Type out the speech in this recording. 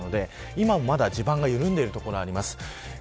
今もまだ地盤が緩んでいる所があります。